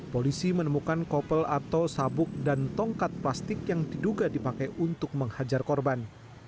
polisi menemukan kopel atau sabuk dan tongkat plastik yang diduga dipakai untuk menghajar korban